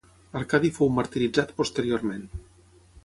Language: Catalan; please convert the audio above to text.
Arcadi fou martiritzat posteriorment.